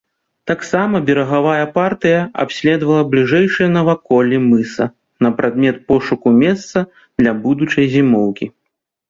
Таксама берагавая партыя абследавала бліжэйшыя наваколлі мыса на прадмет пошуку месца для будучай зімоўкі.